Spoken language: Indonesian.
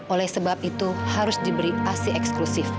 oleh sebab itu harus diberi asi eksklusif